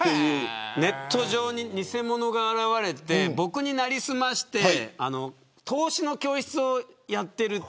ネット上に偽物が現れて僕に成り済まして投資の教室をやっている。